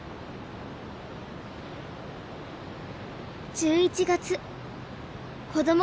１１月こども